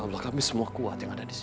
insya allah kami semua kuat yang ada disini